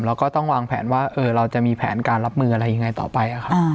เราก็ต้องวางแผนว่าเราจะมีแผนการรับมืออะไรยังไงต่อไปครับ